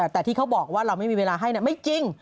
แต่ที่เขาบอกว่าเราไม่มีเวลาให้ไม่จริง